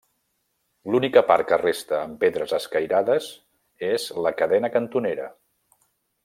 L'única part que resta amb pedres escairades és la cadena cantonera.